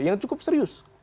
yang cukup serius